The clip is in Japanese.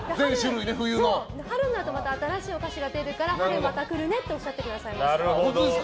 春になるとまた新しいお菓子が出るから春、また来るねとおっしゃってくださいました。